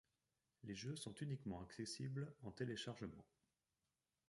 Les jeux sont uniquement accessibles en téléchargement.